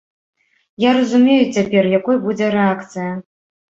Я разумею цяпер, якой будзе рэакцыя.